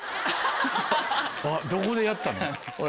どこでやったの？